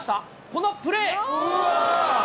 このプレー。